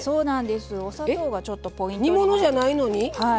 お砂糖がちょっとポイントなんです。